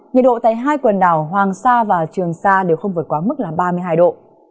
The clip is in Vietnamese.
nhiệt độ tại hai quần đảo hoàng sa và trường sa đều không vượt quá mức là ba mươi hai độ